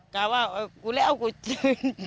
กลายว่ากูแล้วกูเจอดีแล้วอย่างนั้น